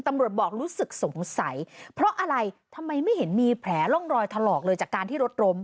บอกรู้สึกสงสัยเพราะอะไรทำไมไม่เห็นมีแผลร่องรอยถลอกเลยจากการที่รถล้ม